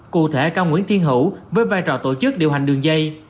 cụ thể cao nguyễn thiên hữu với vai trò tổ chức điều hành đường dây